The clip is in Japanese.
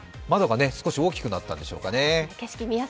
窓が少し大きくなったんでしょうかね。